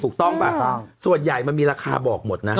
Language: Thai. ถูกต้องป่ะส่วนใหญ่มันมีราคาบอกหมดนะ